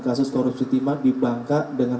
kasus korupsi timah dibangka dengan